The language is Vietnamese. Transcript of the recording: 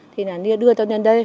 thì là đưa tôi lên đây